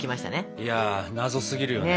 いや謎すぎるよね。